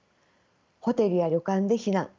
ホテルや旅館で避難。